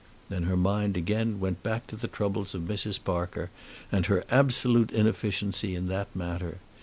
Then her mind again went back to the troubles of Mrs. Parker, and her absolute inefficiency in that matter.